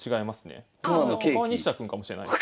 他は西田君かもしれないです。